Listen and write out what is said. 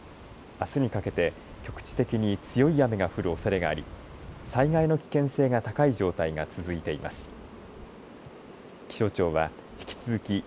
あすにかけて局地的に強い雨が降るおそれがあり災害の危険性が高い状態が続いています。